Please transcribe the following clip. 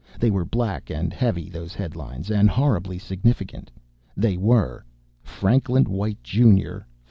They were black and heavy: those headlines, and horribly significant. They were: FRANKLIN WHITE Jr.